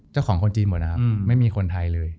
คนจีนหมดนะครับไม่มีคนไทยเลย